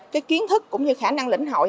cái kiến thức cũng như khả năng lĩnh hội